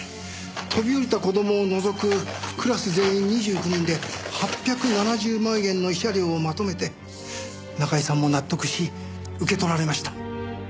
飛び降りた子供を除くクラス全員２９人で８７０万円の慰謝料をまとめて中居さんも納得し受け取られました。